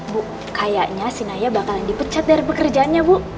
bu kayaknya si naya bakalan dipecat dari pekerjaannya bu